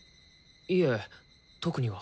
いえ特には。